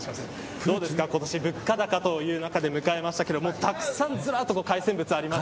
どうですか今年物価高という中で迎えましたけどたくさんずらっと海鮮物あります。